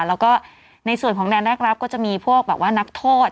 แล้วก็ในส่วนของแดนแรกรับก็จะมีพวกแบบว่านักโทษ